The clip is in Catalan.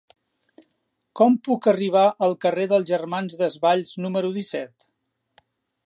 Com puc arribar al carrer dels Germans Desvalls número disset?